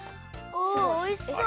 おおいしそう。